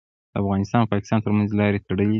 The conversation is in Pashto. د افغانستان او پاکستان ترمنځ لارې تړلي دي.